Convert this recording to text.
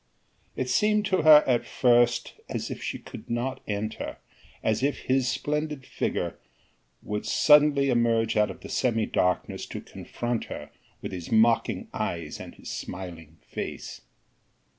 It seemed to her at first as if she could not enter, as if his splendid figure would suddenly emerge out of the semi darkness to confront her with his mocking eyes and his smiling face.